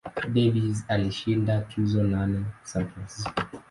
Davis alishinda tuzo nane San Francisco.